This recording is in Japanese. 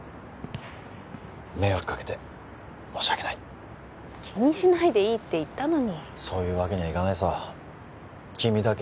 迷惑かけて申し訳ない気にしないでいいって言ったのにそういうわけにはいかないさ君だけ